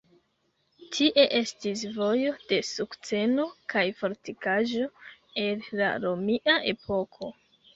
Tie estis Vojo de Sukceno kaj fortikaĵo el la romia epoko.